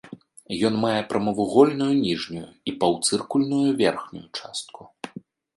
Ён мае прамавугольную ніжнюю і паўцыркульную верхнюю частку.